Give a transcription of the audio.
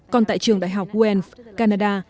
còn tại trường đại học guelph canada